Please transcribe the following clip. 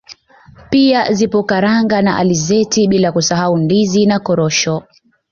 Pia zipo karanga na alizeti bila kusahau ndizi na korosho